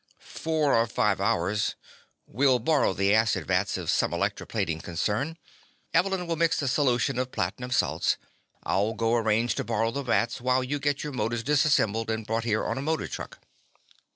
"Four or five hours. We'll borrow the acid vats of some electro plating concern. Evelyn will mix the solution of platinum salts. I'll go arrange to borrow the vats while you get your motors disassembled and brought here on a motor truck."